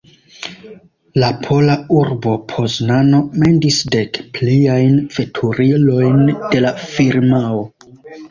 La pola urbo Poznano mendis dek pliajn veturilojn de la firmao.